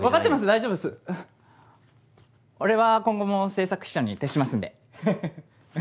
大丈夫っすうん俺は今後も政策秘書に徹しますんではははっ。